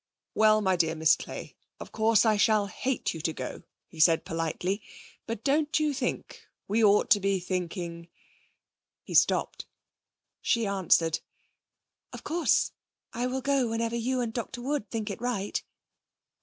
'Well, my dear Miss Clay of course, I shall hate you to go,' he said politely, 'but don't you think we ought to be thinking ' He stopped. She answered: 'Of course I'll go whenever you and Dr Wood think it right.'